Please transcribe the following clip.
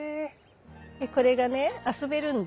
でこれがね遊べるんだ。